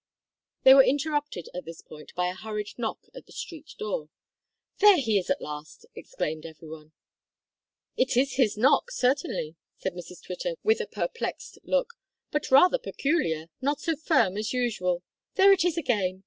They were interrupted at this point by a hurried knock at the street door. "There he is at last," exclaimed every one. "It is his knock, certainly," said Mrs Twitter, with a perplexed look, "but rather peculiar not so firm as usual there it is again!